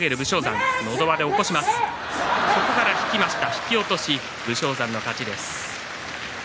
引き落とし武将山の勝ちです。